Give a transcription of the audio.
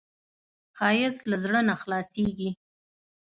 ښایست له زړه نه خلاصېږي